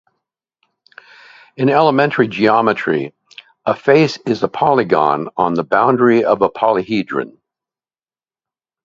In elementary geometry, a face is a polygon on the boundary of a polyhedron.